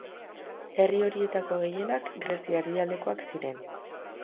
Herri horietako gehienak Grezia erdialdekoak ziren.